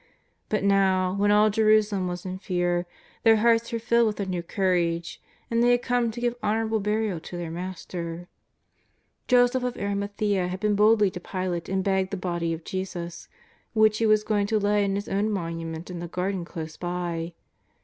But now, when all Jerusalem was in fear, their hearts were filled with a new courage, and they had come to give honourable burial to their Master. Joseph of Arimathea had been boldly to Pilate and begged the body of Jesus, which he was going to lay in his own monument in the garden close by.